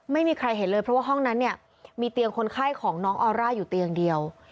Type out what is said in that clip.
ไม่มีใครเห็นเลยเพราะว่าห้องนั้นเนี่ยมีเตียงคนไข้ของน้องออร่าอยู่เตียงเดียว